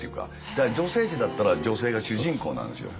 だから女性誌だったら女性が主人公なんですよ。